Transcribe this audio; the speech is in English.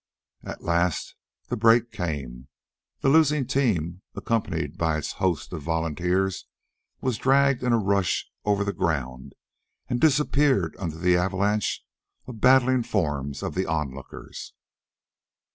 At last the break came. The losing team, accompanied by its host of volunteers, was dragged in a rush over the ground and disappeared under the avalanche of battling forms of the onlookers.